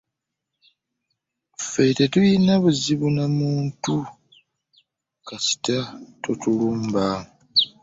Ffe tetulina buzibu na muntu kasita totulumba.